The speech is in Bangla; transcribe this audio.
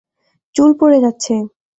চুল পড়ে যাচ্ছে!